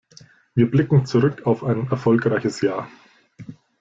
Wir blicken zurück auf ein erfolgreiches Jahr.